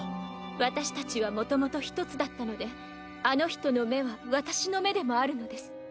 私たちはもともと一つだったのであの人の目は私の目でもあるのです。